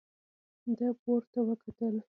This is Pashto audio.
ده پورته وکتل.